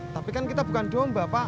tapi kan kita bukan domba pak